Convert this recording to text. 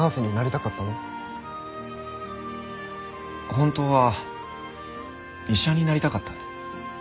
本当は医者になりたかったんだ。